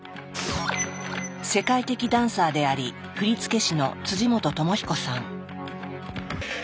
世界的ダンサーであり振付師の本知彦さん。